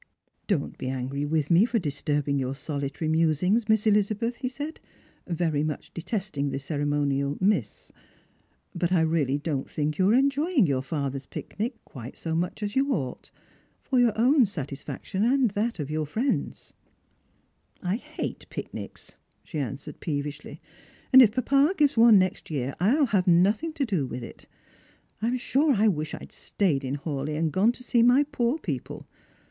" Don't be angry with me for disturbing your solitary musings, Miss Elizabeth," he said, very much detesting the ceremonial Miss ;" but I really don't think you're enjoying your father's picnic quite so much as you ought, for your own satisfaction and that of your friends "" I hate picnics," she an s«Fered peevishly ;" and if papa gives one next year, I'U have nothing to do with it. I'm sure I wish I'd stayed in Hawleigh and gone to see my poor people.